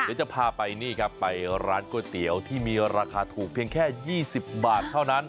เดี๋ยวจะพาไปนี่ครับไปร้านก๋วยเตี๋ยวที่มีราคาถูกเพียงแค่๒๐บาทเท่านั้น